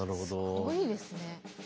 すごいですね。